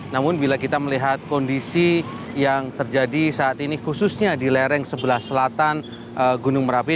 namun bila kita melihat kondisi yang terjadi saat ini khususnya di lereng sebelah selatan gunung merapi